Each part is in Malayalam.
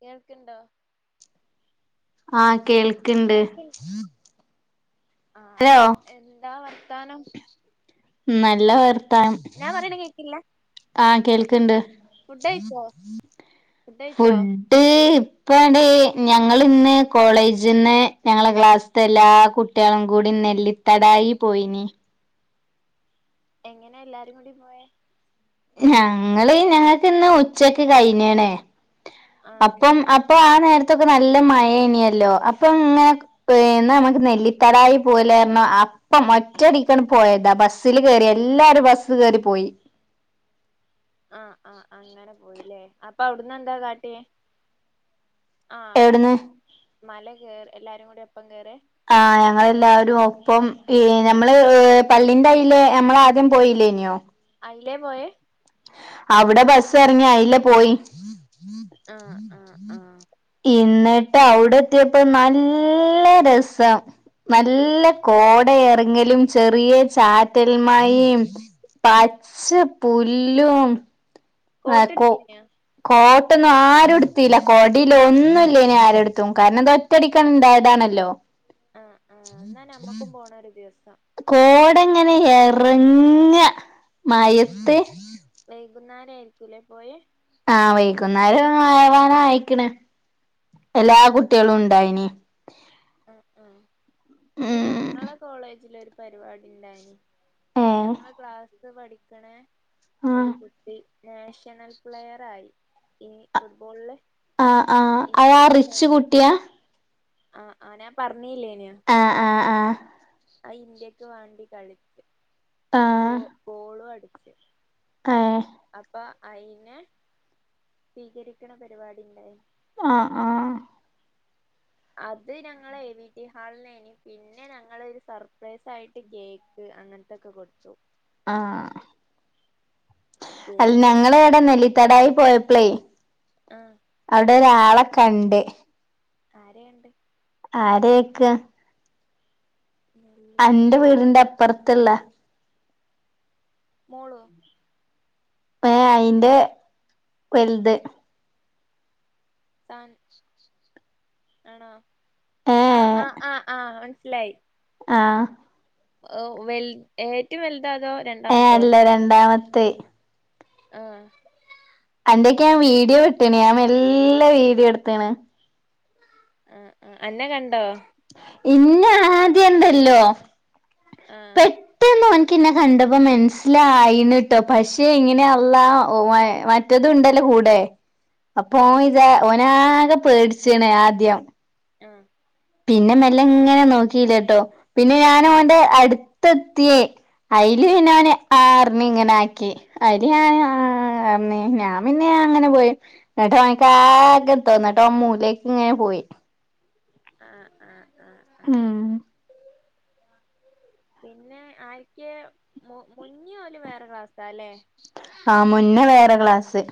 കേൾക്ക്ണ്ടോ? ആഹ് കേൾ കേൾക്ക് ആഹ് ഹലോ എന്താ വർത്താനം. ഉം നല്ല വർത്താൻ ഞാൻ പറയ്ണ കേൾക്കില്ല? ആഹ് കേൾക്ക്ണ്ട് ഫു ഫുഡഴിച്ചോ ട് ഇപ്പാണ് ഞങ്ങളിന്ന് കോളേജ്ന്ന് ഞങ്ങള ക്ലാസ് ത്തെ എല്ലാ കുട്യാളും കൂടി നെല്ലിത്തടായി പോയീന്. എങ്ങനെ എല്ലാരും കൂടി പോയേ? ഞങ്ങള് ഞങ്ങക്ക്ന്ന് ഉച്ചക്ക് കയിഞ്ഞേണ്. ആഹ് അപ്പം അപ് പ്പൊ ആ നേരത്തൊക്കെ നല്ല മയേനിയല്ലോ അപ്പൊ ഇമ്മെ പ്പ് എന്ന നമ്മക്ക് നെല്ലിത്തടായി പോവല്ലേർന്നോ അ പ്പം ഒറ്റടിക്കാണ്ട് പോയതാ ബസ്സ്ല് കേറി എല്ലാരും ബസ്സ് കേറി പോയി. ആഹ് ആഹ് അങ്ങനെ പോയിലേ അപ്പ അവ്ട്ന്ന് എന്താ കാട്ട്യേ? ആഹ് അവിട്ന്ന് എവ്ട്ന്ന് മല കേറ് എല്ലാരുംകൂടി ഒപ്പം കേറെ? ആഹ് ഞങ്ങളെല്ലാരും ഒപ്പം ഈ ഞമ്മള് പള്ളിന്റയ്ലെ ഞമ്മളാദ്യം പോയില്ലേയ്നോ. അയ്ലെപോയെ? അവ്ടെ ബസ്സെറങ്ങി അയ്ലെപോയി. ആഹ് ആഹ് ആഹ് ഇന്നിട്ട് അവിടെത്തിയപ്പോ നല്ല രസം നല്ല കോടയെറങ്ങലും ചെറിയ ചാറ്റൽമയേം പച്ച പുല്ലും നാ കോ കോട്ടെടുത്തീന്യോ കോട്ടൊന്നും ആരുംട്ത്തീലാ കൊടീലാ ഒന്നുംല്ലൈനി ആരെടുത്തും കാരണന്താ [unintelligible] ന്തായതാണല്ലോ ആഹ് ആഹ് ന്നാ നമ്മക്കും പോണൊരു ദിവസം കോടങ്ങനെ എറങ്ങ മയത്ത് വൈകുന്നേരാരിക്കൂല്ലേ പോയേ ആഹ് വൈകുന്നേരാവാനായേക്ക്ണ് എല്ലാ കുട്ടികളുംണ്ടായിനി ആഹ് ആഹ് പിന്നെ ഉം ഞങ്ങളെ കോളേജിലൊരു പരിപാടിണ്ടായിനി ഏഹ് ഞങ്ങളെ ക്ലാസ്ല് പഠിക്ക്ണേ ആഹ് ഒരു കു ട്ടി നാഷ്ണൽ പ്ലെയറായി ഈ ഫുട്ബോളില് ആഹ് ആഹ് അയാ റിച്ച് കുട്ടിയാ ആഹ് ആഹ് ഞാൻ പറഞ്ഞീല്ലേനോ ആഹ് ആഹ് ആഹ് ആ ഇന്ത്യക്ക് വാണ്ടി കളിച്ച് ഗോ ആഹ് ഗോളുംഅടിച്ച് ഏഹ് അപ്പൊ അയ്നെ സ്വീകരിക്കണ പരിപാടിണ്ടായിനി ആഹ് ആഹ് അത് ഞങ്ങള വിടി ഹാള്നേനി പിന്നെ ഞങ്ങളൊരു സർപ്രൈസായിട്ട് കേക് ക്ക് അങ്ങൻത്തൊക്കെ കൊടുത്തു ആഹ് അൽ കേക്കൊന്നും കി ഞങ്ങളാടെ നെലിത്തടായി പോയപ്പളേ ആഹ് അവ്ടെരാളെക്കണ്ട് ആരെയാ കണ്ട് ആരെയൊക്കെ അന്റെ നെല്ലിത്താന വീടിന്റെ അപ്പർത്തിള്ളെ മോളോ ഏഹ് അയിന്റെ വലുത് സാൻ ആണോ ആഹ് ഏഹ് ആഹ് ആഹ് ആഹ് മന്സ്സിലായി ആഹ് ഓ വെൽ ഏറ്റവും വലുതാ അതോ ഏ രണ്ടാമത്തോ അല്ല രണ്ടാമെത്തെഹ് ആഹ് അന്റേക്ക്ഞാ ആഹ് വീഡിയോ വിട്ട്ണ് ഞാമെല്ലെ വീഡിയോ എടുത്ത്ണ് ആ ആ അന്നെ കണ്ടോ ഇന്നെ ആദ്യണ്ടല്ലോ ആഹ് ട്ടന്ന് ഓൻക്ക്ന്നെ കണ്ടപ്പോ മനസ്സിലായിന്ന്ട്ടോ പക്ഷെ ഇങ്ങനെയള്ളാ ഓ മറ്റെതും ഉണ്ടല്ലോകൂടെ അപ്പൊ ഓൻ ആഹ് ഇതാ ഒനാകെപേട്ച്ച്ണ് ആദ്യം ആഹ് പിന്നെ മെല്ലങ്ങനെ നോക്കീലേട്ടോ പിന്നെ ഞാനവന്റെ അടുത്തെത്തീ അയില്പിന്നെ ഓന് ആ കണ്ണ്ങ്ങനെആക്കി അയില് ഞാൻ ആ ഞ് ഞാംപിന്നെ അങ്ങനെപോയി ന്ന്ട്ടോൻക്കാകെ തോന്നെട്ടോൻ മൂലേക്ക്ങ്ങനെ പോയി ആഹ് ആഹ് ആഹ് ആഹ് ഉം പിന്നെ ആര്ക്കെ മു മുന്നെ ഓല് വേറെ ക്ലാസാല്ലേ ആഹ് മുന്നേ വേറെ ക്ലാസ്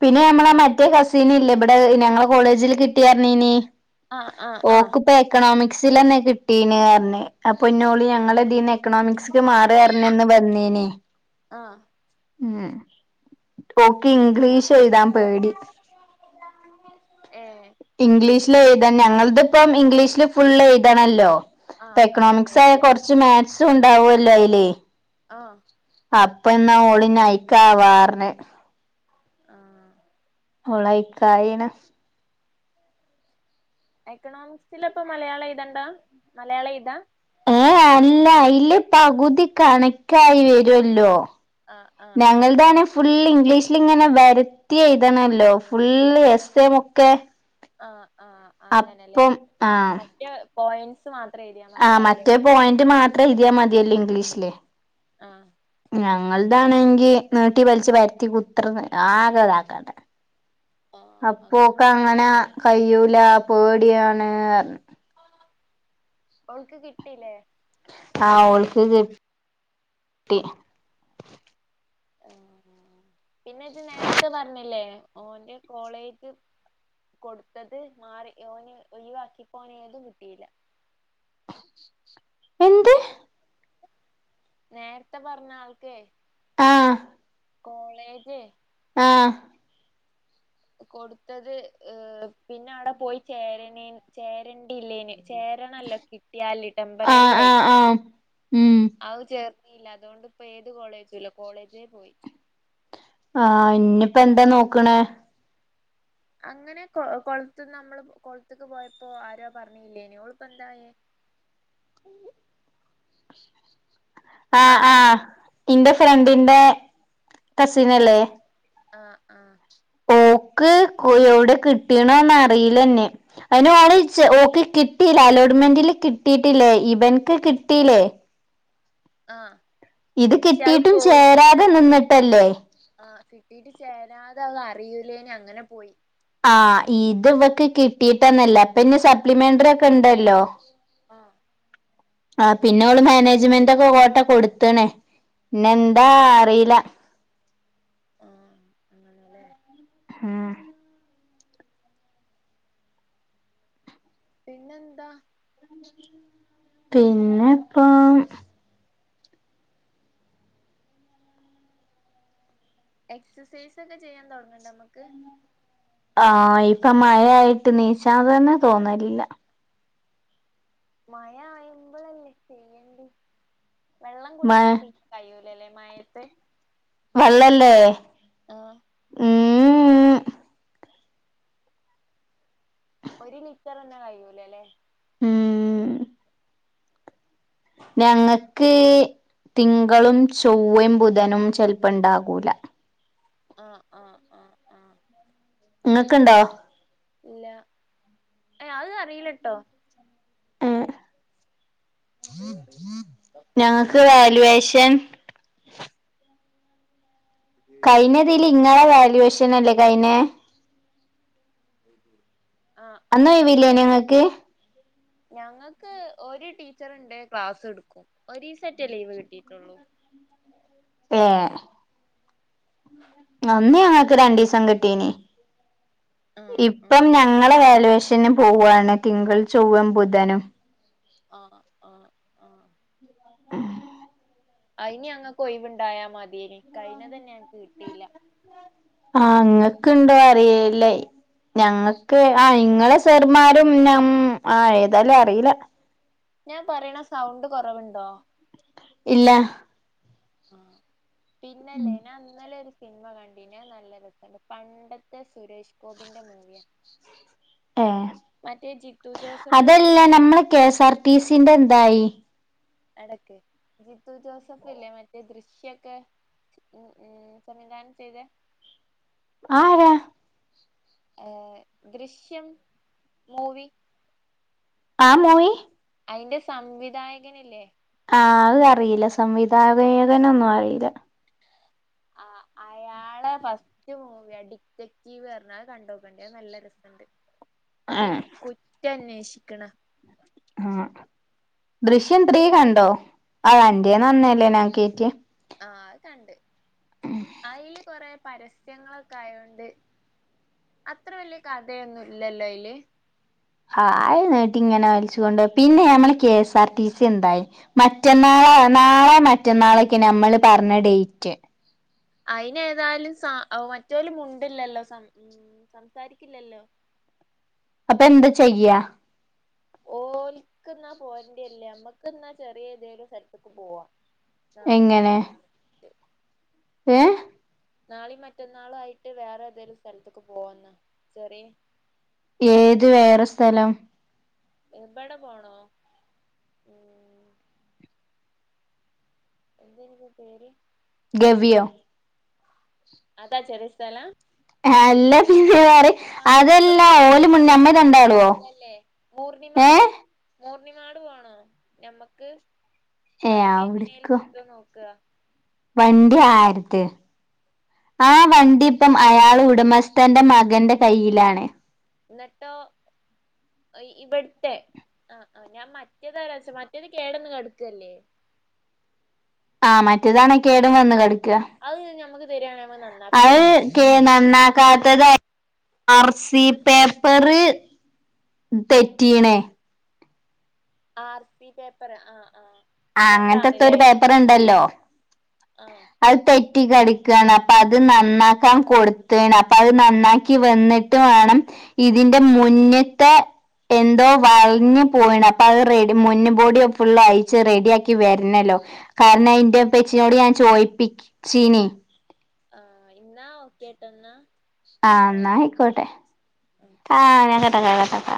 പിന്നെ ഞമ്മളെ മറ്റേ കസീനില്ലെ ഇവ്ടെ ഞങ്ങളെ കോളേജില് കിട്ടിയറ്ഞ്ഞീനി ആഹ് ആണ് ആഹ് ഇപ്പം എക്കണോമിക്സിലെ നെകിട്ടീന് പറഞ്ഞ് അപ്പൊ ഇന്നോള് ഞങ്ങള് എക്കണോമിക്സ്ക്ക് മാറ്ക പറഞ്ഞന്ന് വന്നീനി ആഹ് ഉം ഓക്ക് ഇംഗ്ലീഷ് എഴുതാൻ പേടി ഏഹ് ഇംഗ്ലീഷില് എഴുതാൻ ഞങ്ങളിതിപ്പോ ഇംഗ്ലീഷില് ഫുള്ള് എഴുതണല്ലോ ഇപ്പ ആഹ് അങ്ങനെ എക്കണോമിക്സ് ആയ ആയിണ്ല്ലേ കൊറച്ച് മാക്സും ഉണ്ടാവുല്ലോ അയില് ആഹ് അപ്പാ എന്നാ ഓളിനി അയക്കാവാറന് ആഹ് കൊളായി കായിണ് എക്കണോമിക്സിലപ്പ മലയാളം എഴ്തണ്ടാ മലയാളം എഴ്താ ഏ അല്ല അയ്ല് പകുതി കണക്കായി വരുവല്ലോ ആഹ് ആഹ് ആഹ് ഞങ്ങൾതാണ് ഫുള്ള് ഇംഗ്ലീഷിൽ ഇങ്ങനെ വെരത്തി എഴുതണല്ലോ ഫുള്ള് എസ് എം ഒക്കെ ആഹ് ആഹ് അങ്ങനല്ലെ അപ്പം ആഹ് മറ്റേ പോയന്റ്സ് മാത്രെഴ്തിയ ആഹ് മറ്റേ പോയിന്റ് മാത്രെഴുതിയാ മതിയല്ലോ ഇംഗ്ലീഷില് ആഹ് ഞങ്ങള്താണെങ്കി നീട്ടി വലിച്ച് വരത്തി കുത്രർന്ന് ആകെ ഇതാക്കാണ്ടെ ആഹ് അങ്ങ അപ്പോക്കങ്ങനെ കയൂല പേടിയാണ് പറഞ്ഞ് ഓൾക്ക് കിട്ടീല്ലേ ആ ഓൾക്ക് കി ട്ടിന ആഹ് ആഹ് പിന്നെജ് നേരത്തെ പറഞ്ഞില്ലേ ഓൻ്റെ കോളേജ് കൊടുത്തത് മാറി ഓന് ഒഴിവാക്കിപ്പോന് ഏതും കിട്ടീല്ല എന്ത് നേരത്തെ പറഞ്ഞാൾക്കേ ആഹ് കോളേജേ ആഹ് കൊടുത്തത് പിന്നാടെ പോയി ചേരണേ ചേരൻ ഇല്ലേന് ചേരണല്ലോ കിട്ടിയാല് ടെമ്പററി ആഹ് ആഹ് ആയിട്ട് ആഹ് ഉം അവ് ചേർന്നീയില്ല അതുകൊണ്ട്പ്പോ ഏത് കോളേജുല്ല കോളേജേ പോയി ആഹ് ഇന്നിപ്പം എന്താ നോക്കണേ അങ്ങനെ കൊ കൊളത്ത്ന്ന് നമ്മള് കൊളത്ത്ക്ക് പോയപ്പോ ആരോ പറഞ്ഞില്ലേനി ഓളിപ്പോ എന്തായേ ആഹ് അങ്ങനെ ആഹ് ഇന്റെ ആഹ് ഫ്രണ്ടിന്റെ കസിനല്ലേ ആഹ് ആഹ് ഓക്ക് കോഴിയോട് കിട്ടീനോന്ന്റിയിലെന്നി അയ്നോള് ച്ച് ഓക്ക് കിട്ടീലേ അലോട്ട്മെന്റില് കിട്ടീട്ടില്ലേ ഇവൻക്ക് കിട്ടീലേ ആഹ് ഇതും പക്ഷെ അത് കിട്ടീട്ടും ചേരാതെ നിന്നിട്ടല്ലേ ആ കിട്ടീട്ട് ചേരാതെതറിയൂലേനി അങ്ങനെ പോയി ആ ഇതിവക്ക് കിട്ടിയിട്ടന്നല്ല അപ്പൊനി സപ്ലിമെന്ററിക്കെണ്ടല്ലോ ആഹ് ആ പിന്നോള് മാനേജ്മെന്റ് ഒക്കെ കോട്ട കൊടുത്ത്ണ് പിന്നെന്താ അറിയില്ല ആഹ് അങ്ങനെല്ലേ ഉം പിന്നെന്താ പിന്നെ പിന്നെ ഇപ്പം എക്സസൈസക്കെ ചെയ്യാൻ തൊടങ്ങണ്ടേമ്മക്ക് ആഹ് ഇപ്പം മഴയായിട്ട് നീശാൻ തന്നെ തോന്നലില്ല മയ ആയ്മ്പളല്ലേ ചെയ്യണ്ടി വെള്ളം മഴ കുടിക്കാണ്ടി കയ്യൂലല്ലേ മഴത്ത് വള്ളല്ലേ ആഹ് ഉംഉം ഒരു ലിറ്ററന്നെ കയ്യൂലല്ലേ ഉംഉം ഞങ്ങക്ക് തിങ്കളും ചൊവ്വയും ബുധനും ചെലപ്പോണ്ടാകൂല ആഹ ആഹ ആഹ ഇങ്ങൊക്കുണ്ടോ ഇല്ല അത് അറിയില്ലട്ടോ ഞങ്ങക്ക് വല്വേഷൻ കഴിഞ്ഞതിൽ ഇങ്ങളെ വാല്യുവേഷൻ അല്ലേ കഴിന്നെ [unintelligible] ആഹ് അന്നും വല്ലേ ഞങ്ങൾക്ക് ഞങ്ങൾക്ക് ഒരു ടീച്ചർണ്ട് ക്ലാസ് എടുക്കും ഒ സെറ്റ് ലീവ് കിട്ടിയിട്ടുള്ളൂ [unintelligible] അന്ന് ഞങ്ങൾക്ക് രണ്ടു ദിവസം കിട്ടീന് ആഹ് ആഹ് ഇപ്പം ഞങ്ങളെ വാല്യൂ ന് പോവയാണ് തിങ്കൾ ചൊവ്വം ബുധനും ആ ആ ഉം അയിനി അങ്ങ കൊയ്വുണ്ടായാ മതിയേന് കഴന തന്നെ ക്ക് കിട്ടിയില്ല ആ അങ്ങക്ക ഇണ്ടോ അറിയല്ലേ ഞങ്ങൾക്ക് ആ ഇങ്ങളെ സെറമാരും ഞ ആ ഏതായാലും അറിയില്ല ഞാൻ പറയണ സൗണ്ട് കുറവുണ്ടോ ഇല്ല ആ പിന്നല്ലേനാ അന്നലെ ഒരു സിനിമ കണ്ടീന് നല്ല രസണ്ട് പണ്ടത്തെ സുരേഷ് ഗോപിന്റെ മൂവിയാ ഏ മറ്റേ ജിത്തു ജോസഫില്ലേ അതല്ല ദൃ നമ്മള് കെഎസ്ആർ ടി സിന്റെ എന്തായി അടക്ക് ജിത്തു ജോസഫ് ഇല്ലേ മറ്റേ ദൃശ്യൊക്കെ ഉം സംവിധാനം ചെയ്ത ആരാ ദൃശ്യം മൂവി ആ മൂവി അയിന്റെ സംവിധായകനില്ലേ ആഹ അത് അറിയില്ല സംവിധായേകനൊന്നും അറിയില്ല ആഹ് അയാളെ ഫസ്റ്റ് മൂവിയ ഡിക്റ്ററ്റീവ് പറഞ്ഞത് കണ്ടപോക്കണ്ടത് നല്ല ര ഒരു ഏഹ് കുറ്റ അന്വേഷിക്കണ ആ ദൃശ്യം ത്രീ കണ്ടോ അത അറേന്ന് നന്നല്ലേ ഞാൻ കയറ്റിയ ആ അത് കണ്ട് അതിൽ കൊറെ പരസ്യങ്ങളൊക്കെ ആയോണ്ട് അത്ര വല്യ കഥയൊന്നും ഇല്ലല്ലോ അയില് ആഹ അയിനാട്ട് ഇങ്ങനെ വലിച്ചു കൊണ്ട് പിന്നെ ഞമ്മെ K S R T C എന്തായി മറ്റന്നാളെ നാളെ മറ്റന്നാളൊക്കെ ഞമ്മള് പറഞ്ഞ ഡേറ്റ് അയിന് ഏതായാലും സ മറ്റലും ഉണ്ടില്ലല്ലോ സം ഉ സംസാരിക്കില്ലല്ലോ അപ്പൊ എന്താ ചെയ്യാ ഓൽക്ക്ന്നാ പോന്റ അല്ലേ നമ്മക്ക്ന്നാ ചെറിയ ഏതേലും സ്ഥലത്തക്ക് പോവാ നാളെയ എങ്ങനെ മറ്റന്നാളും ഏ നാളെയും മറ്റന്നാളും ആയിട്ട് വേറെ ഏതേലും സ്ഥലത്തേക്ക് പോവുന്നോ ചെറി ഏത് വേറെ സ്ഥലം എങ്ങട് പോണോ ഉം എന്തനിപ്പോ പേര് ഗവി യോ അതാ ചെറിയ സ്ഥലം ആല്ല പിന്ന വേറെ നമ്മളെപ്പളും അതെല്ലാ പോണം ഓല് മിണ്ടാ അടുത്ത് നമ്മള് രണ്ടാളോ പോണല്ലേ [unintelligible] വാണോ ഞമ്മക്ക് ഏ വണ്ടി എങ്ങനെലും അവിടക്കോ കിട്ടോ നോക്ക വണ്ടി ആരത് ആ വണ്ടി ഇപ്പം അയാളെ ഉടമസ്ഥന്റെ മകന്റെ കയ്യിലാണ് ന്ന്ട്ടോ ഇബടുത്തെ ആഹ് ആ ഞാൻ മറ്റേതച്ച മറ്റേത് കേടന്ന് കെടക്കല്ലേ ആഹ് മറ്റതാണേ കേടും വന്ന് കെടക്ക അത് ഞമുക്ക് തരിയാണെ ഞമ്മള് നന്നാക്കിനിം ഒക്കെ നന്നാക്കാത്തത് ആർ സി പേപ്പറ് തെറ്റീണെ ആർ സി പേപ്പറ് ആഹ് ആഹ് ആഹ് അങ്ങനത്തെത്തോ ഒരു പേപ്പറ്ണ്ടല്ലോ ആ അത് തെറ്റി കെടക്കാണ് അപ്പൊ അത് നന്നാക്കാൻ കൊടുത്താണ് അപ്പൊ അത് നന്നാക്കി വന്നിട്ട് ട്ട് വേണം ഇതിന്റെ മുന്നത്തെ എന്തോ വളഞ്ഞു പോയിണ് അപ്പത് റെഡി മുന്ന് ബോഡി ഫുള്ളയി ച്ച് റെഡിയാക്കി വരണല്ലോ കാരണം അയ്ന്റെ പ്പച്ചിനോട് ഞാൻ ചോയിപ്പിച്ചിനി ആഹ് ന്നാ ഓക്കേട്ടോന്നാ ആഹ് ന്നായിക്കോട്ടെ ആഹ് ഞാൻ കട്ടാക്ക കട്ടാക്ക